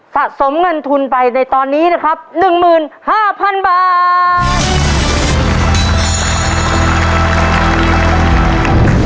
สะสมเงินทุนไปในตอนนี้นะครับหนึ่งหมื่นห้าพันบาท